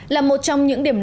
là một trong những địa chỉ